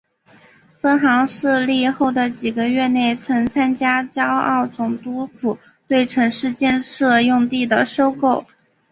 分行设立后的几个月内曾参与胶澳总督府对城市建设用地的收购。